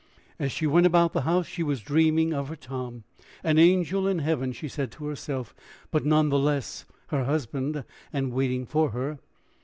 As she went about the house, she was dreaming of her Tom an angel in heaven, she said to herself, but none the less her husband, and waiting for her.